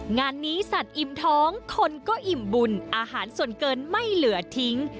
งานนี้สัตว์อิ่มท้องคนก็อิ่มบุญอาหารส่วนเกินไม่เหลือทิ้ง